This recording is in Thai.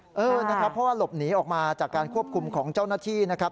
เพราะว่าหลบหนีออกมาจากการควบคุมของเจ้าหน้าที่นะครับ